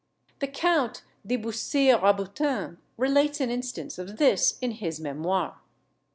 The Count de Bussy Rabutin relates an instance of this in his Memoirs.